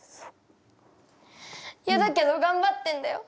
嫌だけど頑張ってんだよ。